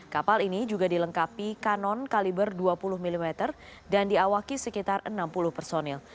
kapal ini juga dilengkapi kanon kaliber dua puluh mm dan diawaki sekitar enam puluh personil